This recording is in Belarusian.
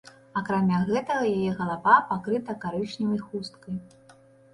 Акрамя гэтага, яе галава пакрыта карычневай хусткай.